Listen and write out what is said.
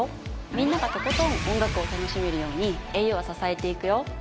みんながとことん音楽を楽しめるようにａｕは支えていくよ